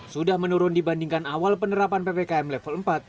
sudah menurun dibandingkan awal penerapan ppkm level empat